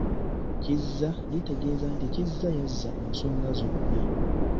Kizza litegeeza nti Kizza y’azza ensonga zonna.